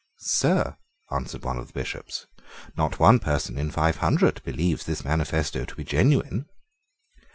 "Sir," answered one of the Bishops, "not one person in five hundred believes this manifesto to be genuine."